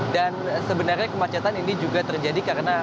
sebenarnya kemacetan ini juga terjadi karena